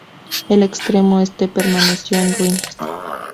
El extremo este permaneció en ruinas.